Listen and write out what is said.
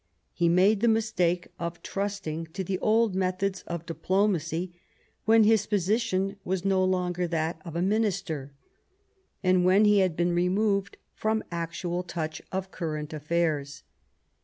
He made the mistake of trusting to the old methods of diplomacy when his position was no longer that of a minister, and when he had been removed from actual X THE FALL OF WOLSEY 199 touch of current affairs.